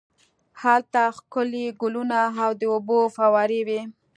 هلته ښکلي ګلونه او د اوبو فوارې وې.